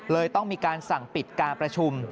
ต้องมีการสั่งปิดการประชุม